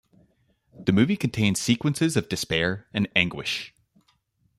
The movie contains sequences of despair and anguish.